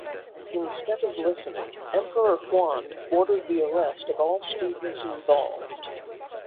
Instead of listening, Emperor Huan ordered the arrest of all students involved.